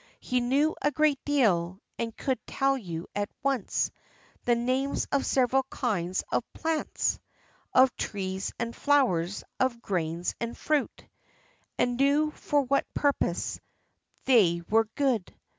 He knew a great deal, and could tell you at once The names of several kinds of plants, Of trees and flowers, of grains and fruit; And knew for what purposes they were good.